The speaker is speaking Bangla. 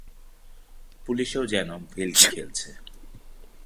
পুলিসে ও যেন ভেলকি খেলছে।